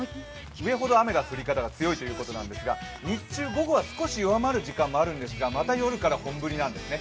上ほど雨の降り方が強いということなんですが日中午後は少し弱まる時間もあるんですが、また夜から本降りなんですね。